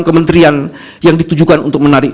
kementerian yang ditujukan untuk menarik